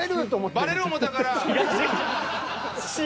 バレる思たから。